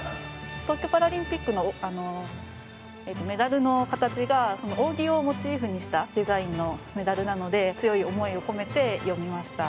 東京パラリンピックのメダルの形が扇をモチーフにしたデザインのメダルなので強い思いを込めて詠みました。